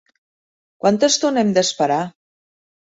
Quanta estona hem d'esperar?